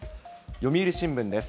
読売新聞です。